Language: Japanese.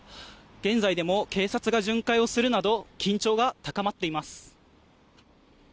現在でも警察が巡回をするなど緊張が高まっています。